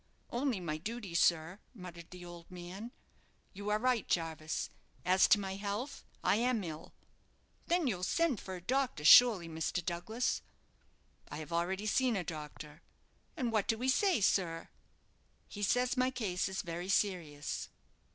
"Only my dooty, sir," muttered the old man. "You are right, Jarvis, as to my health I am ill." "Then you'll send for a doctor, surely, Mr. Douglas." "I have already seen a doctor." "And what do he say, sir?" "He says my case is very serious."